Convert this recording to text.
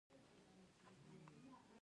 د حافظې د قوي کیدو لپاره باید څه شی وخورم؟